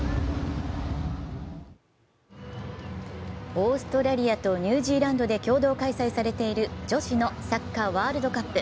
オーストラリアとニュージーランドで共同開催されている女子のサッカーワールドカップ。